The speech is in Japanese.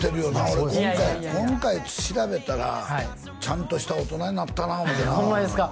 今回調べたらちゃんとした大人になったな思ってなホンマですか？